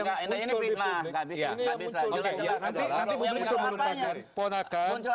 itu menuntutkan ponakan